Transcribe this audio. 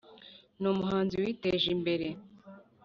Ni umuhanzi witeje imbere cyane.